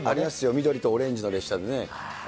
緑とオレンジの列車でね。